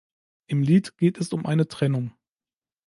Im Lied geht es um eine Trennung.